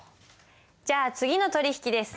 じゃあ次の取引です。